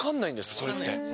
それって。